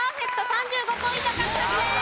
３５ポイント獲得です。